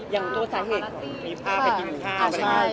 อย่างโทรศัพท์เหตุมีภาพไปกินข้าว